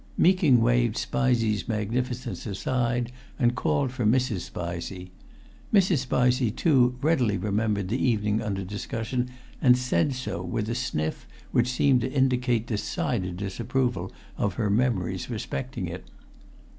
Meeking waved Spizey's magnificence aside and called for Mrs. Spizey. Mrs. Spizey, too, readily remembered the evening under discussion and said so, with a sniff which seemed to indicate decided disapproval of her memories respecting it.